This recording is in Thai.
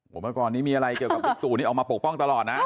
ผมเมื่อก่อนนี้มีอะไรเกี่ยวกับบิ๊กตู่นี่ออกมาปกป้องตลอดนะ